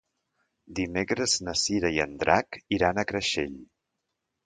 Dimecres na Cira i en Drac iran a Creixell.